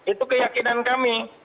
itu keyakinan kami